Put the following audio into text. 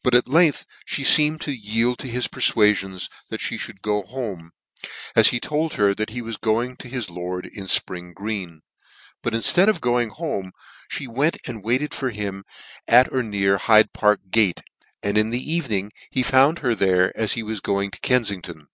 69 but at length me Teamed to yie'd to bis perfuafions tl a: fhe would go home, as he told her he was i oiig to his lord in Spring Gardens; but i:iftead of going home, (he went an:l waited fjr hioi at, er near, Hyde Park Gate, and in the evening he found her there as he was going to Kenfingt^n